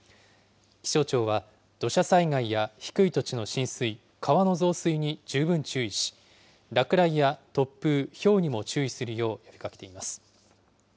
気象庁は、土砂災害や低い土地の浸水、川の増水に十分注意し、落雷や突風、ひょうにも注意するよう呼びかけています。